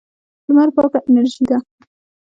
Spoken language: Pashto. لمر پاکه انرژي ده.